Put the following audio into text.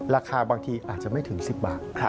ราคาบางทีอาจจะไม่ถึง๑๐บาท